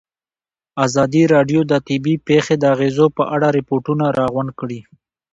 ازادي راډیو د طبیعي پېښې د اغېزو په اړه ریپوټونه راغونډ کړي.